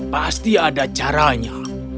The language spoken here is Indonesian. pasti ada caranya